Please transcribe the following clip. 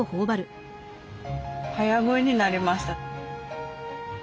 早食いになりました。